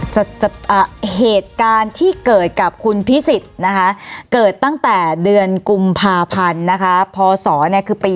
เย็นเหตุการณ์ที่เกิดกับคุณพิชีตเกิดตั้งแต่เดือนกุมพาพันธุ์